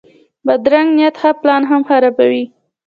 بدرنګه نیت ښه پلان هم خرابوي